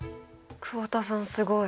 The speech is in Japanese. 久保田さんすごい。